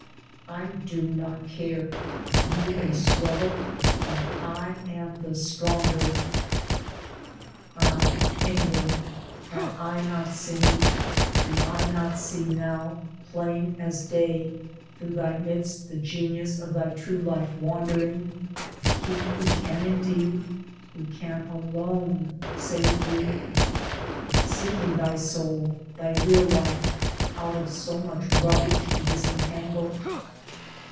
I do not care ; you may struggle ; but I am the stronger. Ah, England ! Have I not seen, do I not see now, plain as day, through thy midst the genius of thy true life wandering — he who can indeed, who can alone, save thee — Seeking thy soul, thy real life, out of so much rubbish to disentangle?